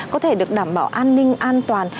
có thể được đảm bảo an ninh an toàn